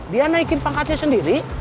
dia naikin pangkatnya sendiri